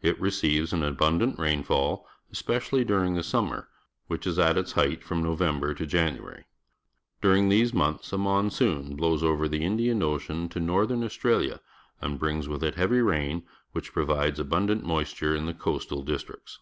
It receives an abundant rainfall, especially during the summer, which is at its height from Noy ember to January. During these months a monsoon . blows — o v e r the. . In d ian Ocean to Northern Australia and brings with it heav y rain , which provides abundanL moisFu re in the coastal districts.